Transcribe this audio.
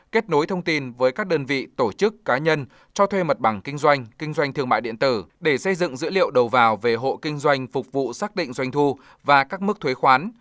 kết nối thông tin với các đơn vị tổ chức cá nhân cho thuê mặt bằng kinh doanh kinh doanh thương mại điện tử để xây dựng dữ liệu đầu vào về hộ kinh doanh phục vụ xác định doanh thu và các mức thuế khoán